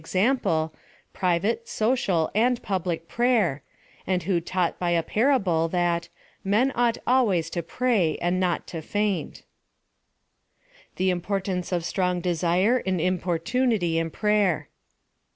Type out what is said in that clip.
example^ private, social, and public prayer ancf 224 PHILOSOPHY OF THE who taught by a parable that " men ought always to pray and not to faint." T/ie in vortance of strong desire and importunity in prayer.